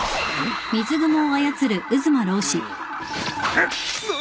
うっ。